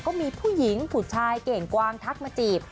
ก็มีผู้หญิงผู้ชายเก่งกวางทักมาจีบ